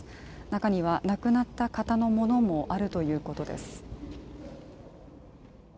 中には亡くなった方のものもあるということです。